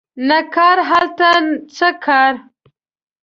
نه کار هلته څه کار